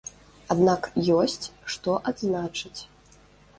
Аднак ёсць што адзначыць.